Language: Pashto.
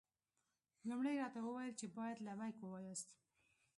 لومړی یې راته وویل چې باید لبیک ووایاست.